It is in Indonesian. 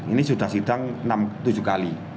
ini sudah sidang enam tujuh kali